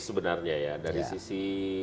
sebenarnya ya dari sisi